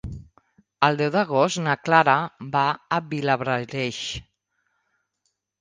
El deu d'agost na Clara va a Vilablareix.